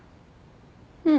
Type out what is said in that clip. うん。